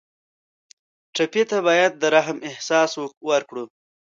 ټپي ته باید د رحم احساس ورکړو.